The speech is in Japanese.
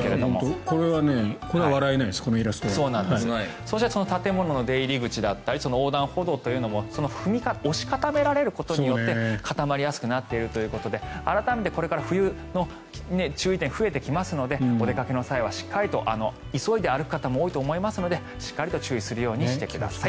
そして建物の出入り口だったり横断歩道というのも押し固められることによって固まりやすくなっているということで改めてこれから冬の注意点が増えてきますのでお出かけの際は急いで歩く方も多いと思いますのでしっかり注意するようにしてください。